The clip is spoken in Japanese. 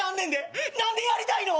何でやりたいの！？